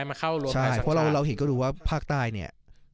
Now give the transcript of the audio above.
แล้วพรุ่งไทยสร้างชาติ